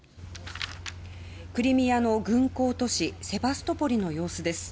クリミアの軍港都市セバストポリの様子です。